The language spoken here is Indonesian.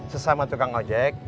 sesama tukang ojek